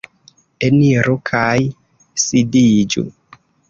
Eniru kaj sidiĝu!